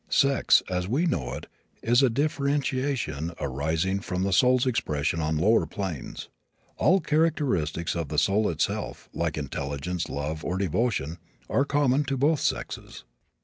Sex, as we know it, is a differentiation arising from the soul's expression on lower planes. All characteristics of the soul itself, like intelligence, love, or devotion, are common to both sexes.